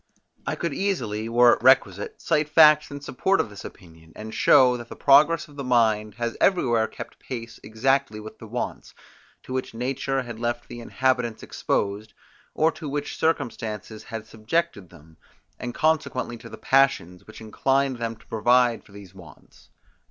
I could easily, were it requisite, cite facts in support of this opinion, and show, that the progress of the mind has everywhere kept pace exactly with the wants, to which nature had left the inhabitants exposed, or to which circumstances had subjected them, and consequently to the passions, which inclined them to provide for these wants.